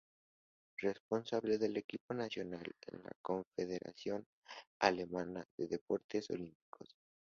Responsable del equipo nacional es la Confederación Alemana de Deportes Olímpicos.